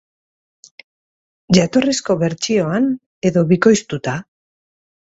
Jatorrizko bertsioan edo bikoiztuta?